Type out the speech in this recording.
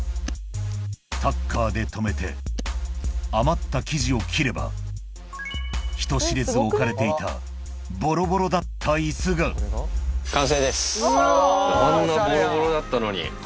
タッカーで留めて余った生地を切れば人知れず置かれていたボロボロだった椅子が完成ですあんなボロボロだったのに。